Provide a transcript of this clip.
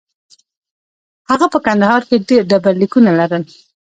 هغه په کندهار کې ډبرلیکونه لرل